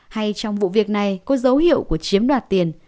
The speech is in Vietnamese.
hay trong vụ việc này có dấu hiệu của chiếm đoạt tiền